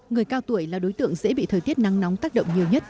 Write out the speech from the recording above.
người cao tuổi là đối tượng dễ bị thời tiết nắng nóng tác động nhiều nhất